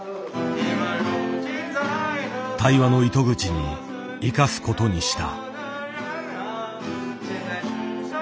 対話の糸口に生かすことにした。